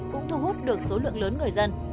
cũng thu hút được số lượng lớn người dân